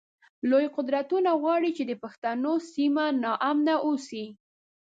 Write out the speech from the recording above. لوی قدرتونه غواړی چی د پښتنو سیمه ناامنه اوسی